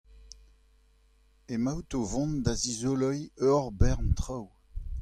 Emaout o vont da zizoleiñ ur bern traoù !